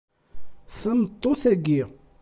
Tameṭṭut-agi